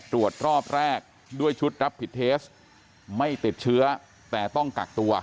ตรวจรอบแรกด้วยชุดรับผิดเทสไม่ติดเชื้อแต่ต้องกักตัว